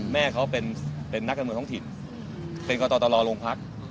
แม่เขาเป็นนักการเมืองท้องถิ่นเป็นกตรโรงพัก